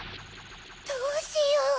どうしよう。